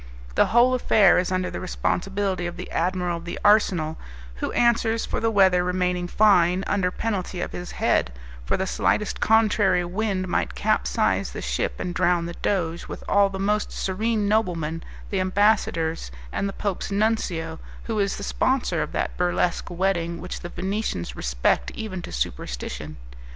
The whole affair is under the responsibility of the admiral of the arsenal, who answers for the weather remaining fine, under penalty of his head, for the slightest contrary wind might capsize the ship and drown the Doge, with all the most serene noblemen, the ambassadors, and the Pope's nuncio, who is the sponsor of that burlesque wedding which the Venetians respect even to superstition.